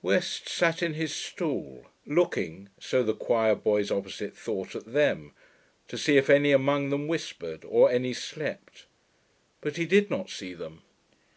West sat in his stall, looking, so the choirboys opposite thought, at them, to see if any among them whispered, or any slept. But he did not see them.